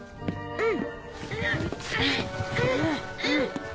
うん。